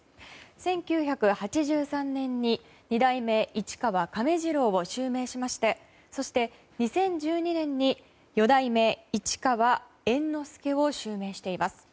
１９８３年に二代目市川亀治郎を襲名しましてそして、２０１２年に四代目市川猿之助を襲名しています。